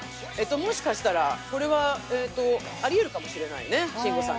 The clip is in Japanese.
もしかしたらこれはありえるかもしれないね。